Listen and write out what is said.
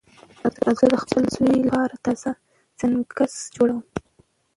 زه د خپل زوی لپاره تازه سنکس جوړوم.